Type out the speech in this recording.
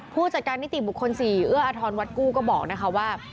ผู้จัดการนิติบุคคล๔เอื้ออทรวัดกู้ก็บอกนะคะว่า